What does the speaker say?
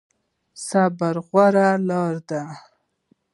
صبر غوره لاره ده